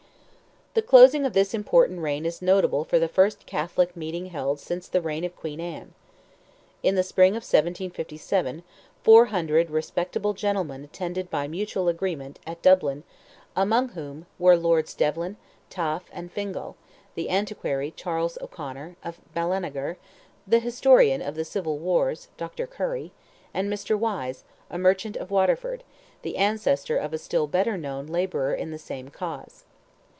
The closing of this important reign is notable for the first Catholic meeting held since the reign of Queen Anne. In the spring of 1757, four hundred respectable gentlemen attended by mutual agreement, at Dublin, among whom were Lords Devlin, Taafe, and Fingal, the antiquary, Charles O'Conor, of Balanagar, the historian of the Civil Wars, Dr. Curry, and Mr. Wyse, a merchant of Waterford, the ancestor of a still better known labourer in the same cause.